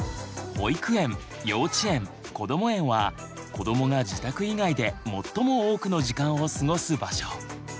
保育園幼稚園こども園は子どもが自宅以外で最も多くの時間を過ごす場所。